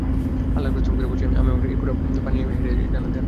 আল্লাহর কসম করে বলছি, আমি আমার এই খোঁড়া পা নিয়ে জান্নাতে হাঁটব।